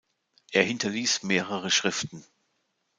Er hinterließ mehrere Schriften.